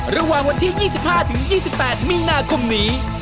ระหว่างวันที่๒๕๒๘มีนาคมนี้